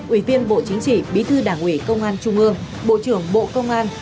ủy viên bộ chính trị bí thư đảng ủy công an trung ương bộ trưởng bộ công an